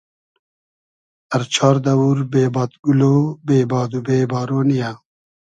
ار چار دئوور بې بادگولۉ ، بې باد و بې بارۉ نییۂ